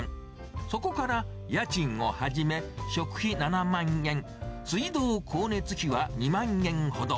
そこから家賃をはじめ、食費７万円、水道光熱費は２万円ほど。